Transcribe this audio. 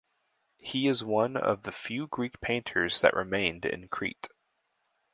He is one of the few Greek painters that remained in Crete.